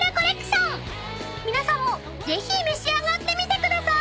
［皆さんもぜひ召し上がってみてください］